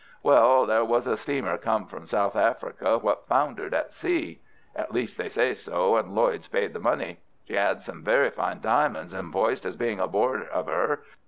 "Well, there was a steamer came from South Africa what foundered at sea. At least, they say so, and Lloyd's paid the money. She 'ad some very fine diamonds invoiced as being aboard of 'er.